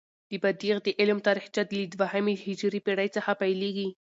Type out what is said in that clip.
د بدیع د علم تاریخچه له دوهمې هجري پیړۍ څخه پيلیږي.